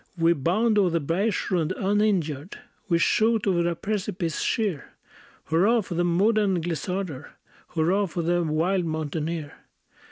We bound o'er the bergschrund uninjured, We shoot o'er a precipice sheer; Hurrah, for the modern glissader! Hurrah, for the wild mountaineer!